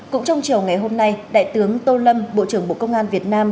cũng trong chiều ngày hôm nay đại tướng tô lâm bộ trưởng bộ công an việt nam